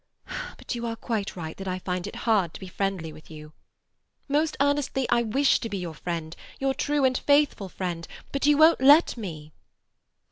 But you are quite right that I find it hard to be friendly with you. Most earnestly I wish to be your friend—your true and faithful friend. But you won't let me."